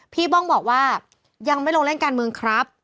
บ้องบอกว่ายังไม่ลงเล่นการเมืองครับ